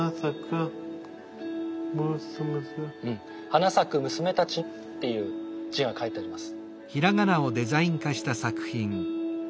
「はなさくむすめたち」っていう字が書いてあります。